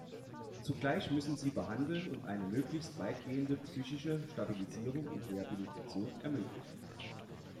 Zugleich müssen sie behandeln und eine möglichst weitgehende psychische Stabilisierung und Rehabilitation ermöglichen.